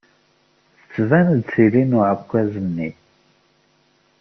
Tettban-d tili n uɛekkaz-nni.